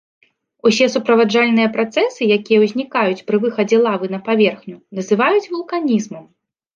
Усе суправаджальныя працэсы, якія ўзнікаюць пры выхадзе лавы на паверхню, называюць вулканізмам.